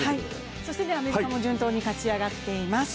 そしてアメリカも順当に勝ち上がっています。